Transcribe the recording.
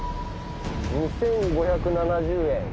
２，５７０円。